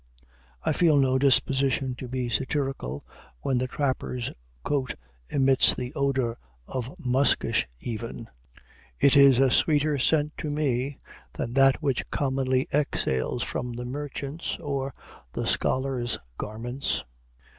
I feel no disposition to be satirical, when the trapper's coat emits the odor of musquash even; it is a sweeter scent to me than that which commonly exhales from the merchant's or the scholar's garments.